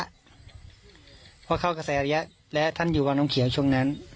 เพราะเข้ากระแสระยะและท่านอยู่วังน้ำเขียวช่วงนั้น